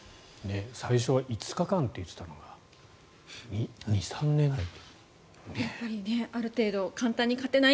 最初は５日間と言っていたのが２３年と。